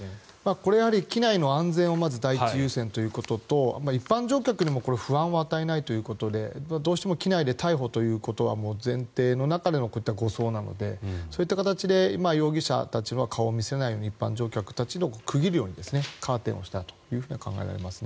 これ、機内の安全をまず第一優先ということと一般乗客にも不安を与えないということでどうしても機内で逮捕ということは前提の中でのこういった護送なのでそういった形で容疑者たちの顔を見せないように一般乗客たちと区切るようにカーテンをしたと考えられますね。